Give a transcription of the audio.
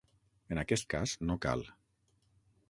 En aquest cas no cal!